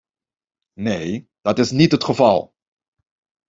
Neen, dat is niet het geval.